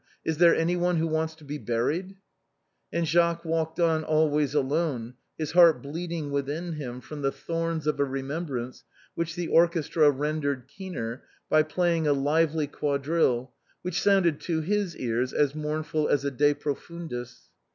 Is there any one who wants to be buried ?" And Jacques walked on always alone, his heart bleeding «within him from the thorns of a remembrance which the orchestra rendered keener by playing a lively quadrille which sounded to his ears as mournful as a De Profundis.